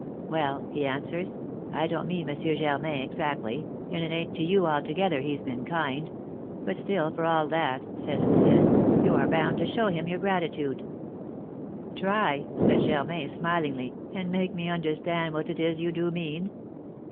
'Well,' he answers, 'I don't mean M. Germain exactly, and it ain't to you altogether he's been kind; but still, for all that,' says Rousel, 'you are bound to show him your gratitude.'" "Try," said Germain, smilingly, "and make me understand what it is you do mean."